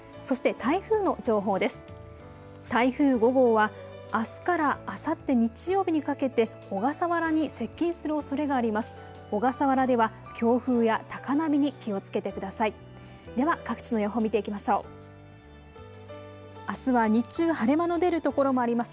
台風５号はあすからあさって日曜日にかけて小笠原に接近するおそれがあります。